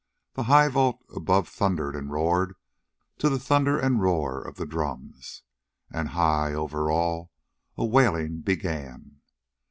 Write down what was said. The high vault above thundered and roared to the thunder and roar of the drums. And, high over all, a wailing began.